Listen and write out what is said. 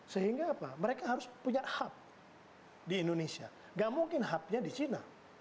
sehingga apa mereka harus punya hub di indonesia gak mungkin hubnya di china